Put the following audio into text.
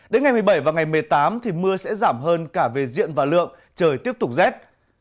đến ngày một mươi bảy và ngày một mươi tám thì mưa sẽ giảm hơn cả về diện và lượng trời tiếp tục rét